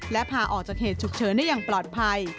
และพาออกจากเหตุฉุกเฉินได้อย่างปลอดภัย